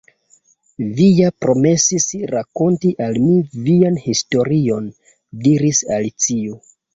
"Vi ja promesis rakonti al mi vian historion," diris Alicio.